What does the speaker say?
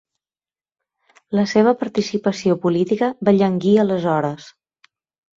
La seva participació política va llanguir aleshores.